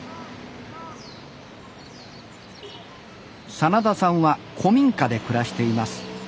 真田さんは古民家で暮らしています。